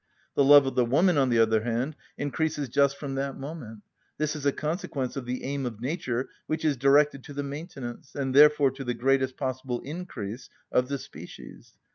The love of the woman, on the other hand, increases just from that moment. This is a consequence of the aim of nature which is directed to the maintenance, and therefore to the greatest possible increase, of the species.